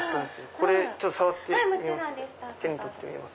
これちょっと触ってみます。